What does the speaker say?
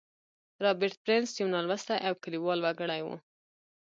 رابرټ برنس يو نالوستی او کليوال وګړی و.